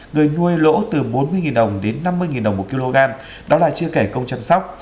người nuôi lỗ từ bốn mươi đồng đến năm mươi đồng một kg đó là chưa kể công chăm sóc